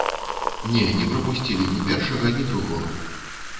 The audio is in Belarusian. Не, не прапусцілі ні першага, ні другога.